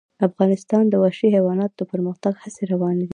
افغانستان کې د وحشي حیواناتو د پرمختګ هڅې روانې دي.